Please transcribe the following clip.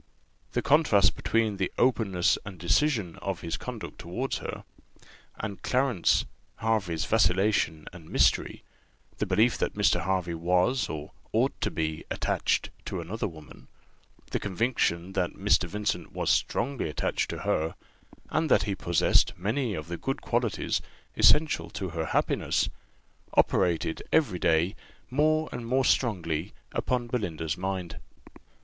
The contrast between the openness and decision of his conduct towards her, and Clarence Hervey's vacillation and mystery; the belief that Mr. Hervey was or ought to be attached to another woman; the conviction that Mr. Vincent was strongly attached to her, and that he possessed many of the good qualities essential to her happiness, operated every day more and more strongly upon Belinda's mind.